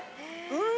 うん！